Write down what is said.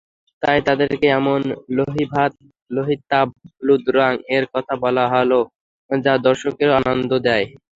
তাই তাদেরকে এমন লোহিতাভ হলুদ রং-এর কথা বলা হল, যা দর্শকদেরও আনন্দ দেয়।